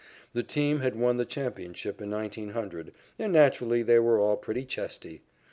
The team had won the championship in 1900, and naturally they were all pretty chesty.